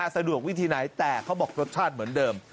สะดวกวิธีไหนแต่เขาบอกรสชาติเหมือนเดิม